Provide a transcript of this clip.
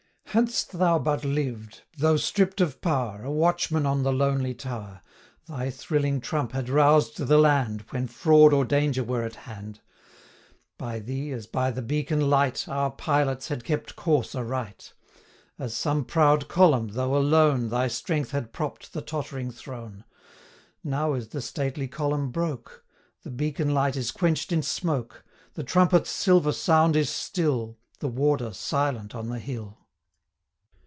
Had'st thou but lived, though stripp'd of power, A watchman on the lonely tower, Thy thrilling trump had roused the land, When fraud or danger were at hand; 100 By thee, as by the beacon light, Our pilots had kept course aright; As some proud column, though alone, Thy strength had propp'd the tottering throne: Now is the stately column broke, 105 The beacon light is quench'd in smoke, The trumpet's silver sound is still, The warder silent on the hill!